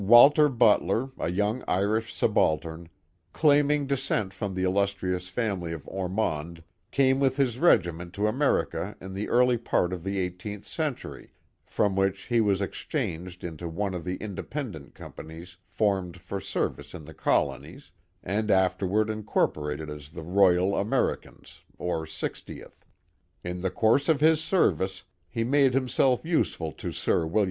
Walter Butler, a young Irish subaltern, claiming descent from the illustrious family of Ormonde, came with his regiment to America in the early j»art of the iSth century, from which he was exchanged into one of the independent companies formed for ser vice in the colonies, and afterward incorporated as the Royal .Ameri cans nr 60th, In the course of his service he made himself useful to Sir Willi.